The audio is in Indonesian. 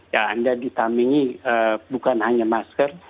ya anda ditamingi bukan hanya masker